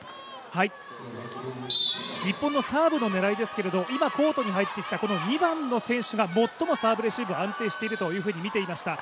日本のサーブの狙いですけど、今、コートに入ってきた２番の選手が最もサーブレシーブ安定しているとみていました。